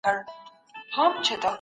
موږ د یو بل مرستې ته ضرورت لرو.